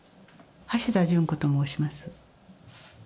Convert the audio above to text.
橋田淳子と申します。